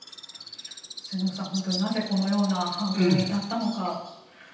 末延さん、なぜこのような犯行に至ったのか。